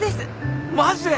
マジで？